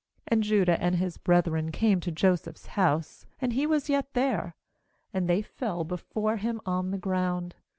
14And Judah and his brethren came to Joseph's house, and he was yet there; and they fell before him on the ground.